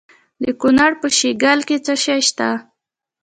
د کونړ په شیګل کې څه شی شته؟